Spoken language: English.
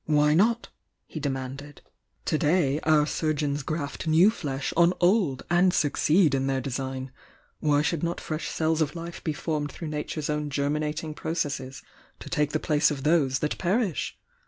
"Why not?" he demanded. "To day our surgeons graft new flesh on old and succeed in their design —why should not fresh cells of life be formed through Nature's own geripinating processes to take the place of those that perish?